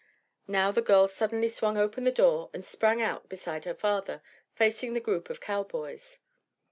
Now the girl suddenly swung open the door and sprang out beside her father, facing the group of cowboys.